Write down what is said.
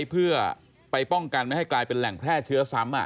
เพื่อไปป้องกันไม่ให้กลายเป็นแหล่งแพร่เชื้อซ้ำ